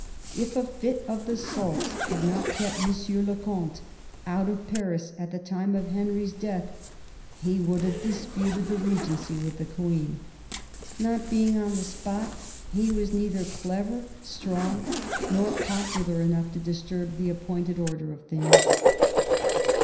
If a fit of the sulks had not kept Monsieur le Comte out of Paris at the time of Henry's death, he would have disputed the regency with the Queen. Not being on the spot, he was neither clever, strong, nor popular enough to disturb the appointed order of things.